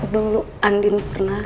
dulu andi pernah